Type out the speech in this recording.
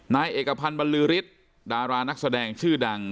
นายเอกพันธ์บรรลือฤทธิ์ดารานักแสดงชื่อดัง